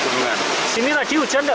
di sini lagi hujan pak